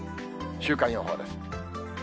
週間予報です。